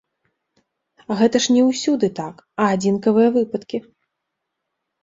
Гэта ж не ўсюды так, а адзінкавыя выпадкі.